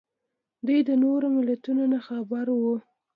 دوی د نورو ملتونو نه خبر وو